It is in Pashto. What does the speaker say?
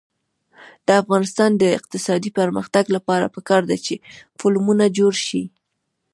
د افغانستان د اقتصادي پرمختګ لپاره پکار ده چې فلمونه جوړ شي.